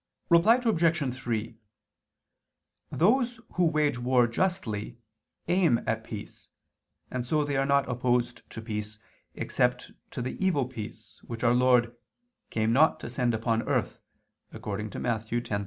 Reply Obj. 3: Those who wage war justly aim at peace, and so they are not opposed to peace, except to the evil peace, which Our Lord "came not to send upon earth" (Matt. 10:34).